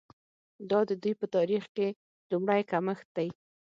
دا د دوی په تاریخ کې لومړی کمښت دی.